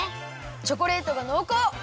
チョコレートがのうこう！